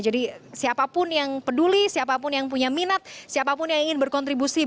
jadi siapapun yang peduli siapapun yang punya minat siapapun yang ingin berkontribusi